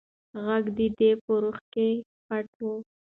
غږ د ده په روح کې پټ و.